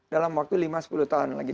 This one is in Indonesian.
dalam waktu lima sepuluh tahun lagi